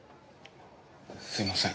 すいません。